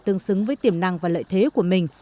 tương xứng với tiềm năng và lợi thế của mình